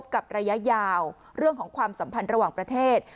กับระยะยาวเรื่องของความสัมพันธ์ระหว่างประเทศ